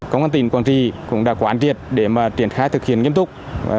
công an tỉnh quản trị cũng đã quản triệt để mà triển khai thực hiện nghiêm túc